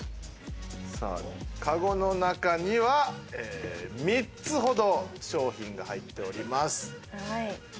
さあカゴの中には３つほど商品が入っております。